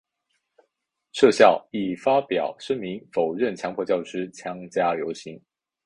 设校亦发表声明否认强迫教师参加游行。